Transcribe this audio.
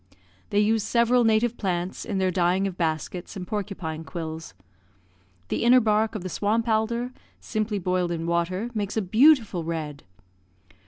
They use several native plants in their dyeing of baskets and porcupine quills. The inner bark of the swamp alder, simply boiled in water, makes a beautiful red.